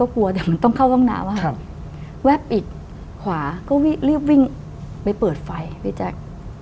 ขวาก็รีบวิ่งไปเปิดไฟพี่แจ๊ค